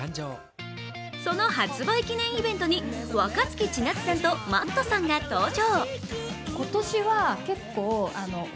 その発売記念イベントに若槻千夏さんとＭａｔｔさんが登場。